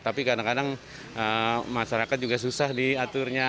tapi kadang kadang masyarakat juga susah diaturnya